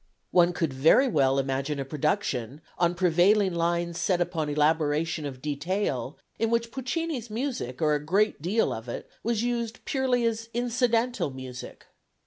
One could very well imagine a production, on prevailing lines set upon elaboration of detail, in which Puccini's music, or a great deal of it, was used purely as incidental music.